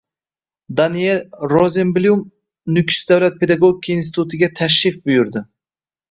Deniyel Rozenblyum Nukus davlat pedagogika institutiga tashrif buyurding